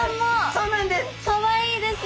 そうなんです。